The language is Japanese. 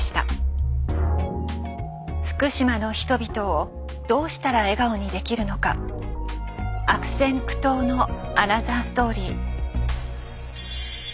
福島の人々をどうしたら笑顔にできるのか悪戦苦闘のアナザーストーリー。